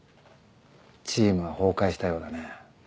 チームは崩壊したようだね。